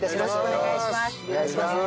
よろしくお願いします。